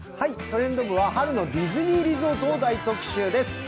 「トレンド部」は春のディズニーリゾートを大特集です。